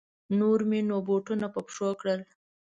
نور مې نو بوټونه په پښو کړل.